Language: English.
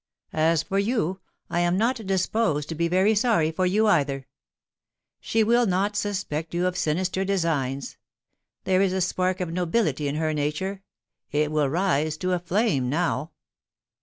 As for you, I am not disposed to be very sorry for you either. She will not suspect you of sinister designs. There is a spark of nobility in her nature ; it will rise to a flame now.'